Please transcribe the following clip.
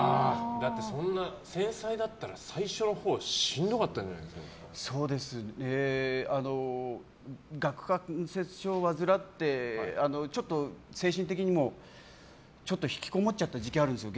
だって、そんな繊細だったら最初のほう顎関節症を患ってちょっと精神的にも引きこもっちゃった時期があるんですよ。